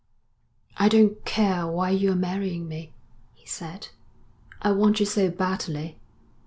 'I don't care why you're marrying me,' he said. 'I want you so badly.'